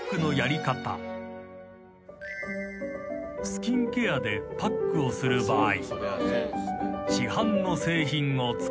［スキンケアでパックをする場合］